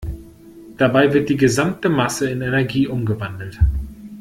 Dabei wird die gesamte Masse in Energie umgewandelt.